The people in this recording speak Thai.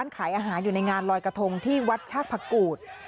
ขายอาหารอยู่ในงานลอยกระทงที่วัดชากพระกูธ